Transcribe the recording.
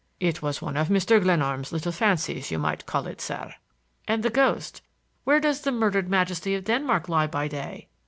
"It was one of Mr. Glenarm's little fancies, you might call it, sir." "And the ghost,—where does the murdered majesty of Denmark lie by day?"